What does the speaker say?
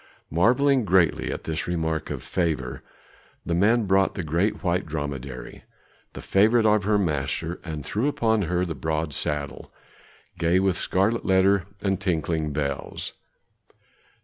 Marvelling greatly at this mark of favor, the men brought the great white dromedary, the favorite of her master, and threw upon her the broad saddle, gay with scarlet leather and tinkling bells.